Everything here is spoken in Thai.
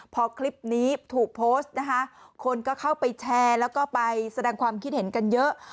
พอคลิปนี้ถูกโพสต์นะคะคนก็เข้าไปแชร์แล้วก็ไปแสดงความคิดเห็นกันเยอะ